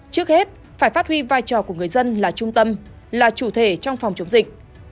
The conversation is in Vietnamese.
trước hết phải phát huy vai trò của người dân là trung tâm là chủ thể trong phòng chống dịch